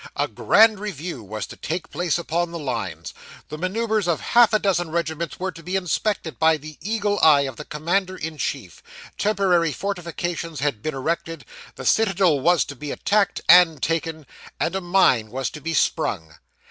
A grand review was to take place upon the lines. The manoeuvres of half a dozen regiments were to be inspected by the eagle eye of the commander in chief; temporary fortifications had been erected, the citadel was to be attacked and taken, and a mine was to be sprung.